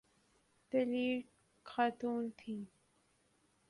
دلیر خاتون تھیں۔